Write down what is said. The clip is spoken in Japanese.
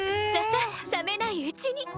ささ冷めないうちに。